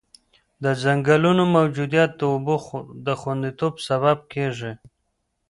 د ځنګلونو موجودیت د اوبو د خونديتوب سبب کېږي.